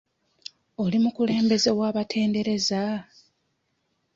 Oli mukulembeze w'abatendereza?